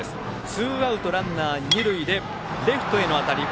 ツーアウトランナー、二塁でレフトへの当たり。